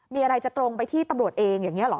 มีอะไรจะตรงไปที่ตำรวจเองอย่างนี้เหรอ